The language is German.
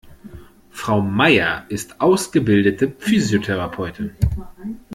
Frau Maier ist ausgebildete Physiotherapeutin.